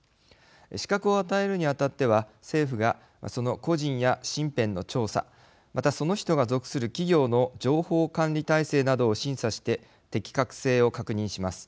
資格を与えるにあたっては政府がその個人や身辺の調査またその人が属する企業の情報管理体制などを審査して適格性を確認します。